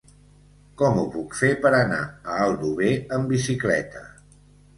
Com ho puc fer per anar a Aldover amb bicicleta?